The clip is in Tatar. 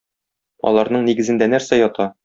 Аларның нигезендә нәрсә ята?